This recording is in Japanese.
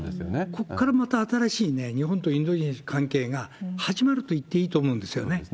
ここからまた新しい日本とインドネシアの関係が始まるといっていそうですね。